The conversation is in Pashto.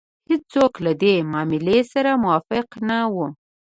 هېڅوک له دې معاملې سره موافق نه وو.